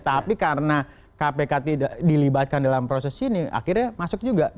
tapi karena kpk tidak dilibatkan dalam proses ini akhirnya masuk juga